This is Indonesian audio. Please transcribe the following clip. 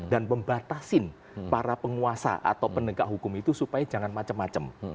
dan membatasi para penguasa atau penegak hukum itu supaya jangan macam macam